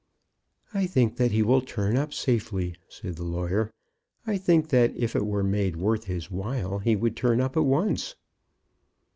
"I think that he will turn up safely," said the lawyer. "I think that if it were made worth his while he would turn up at once."